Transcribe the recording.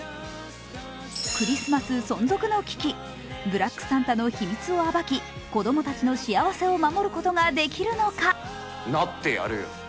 クリスマス存続の危機、ブラックサンタの秘密を暴き、子供たちの幸せを守ることができるのか。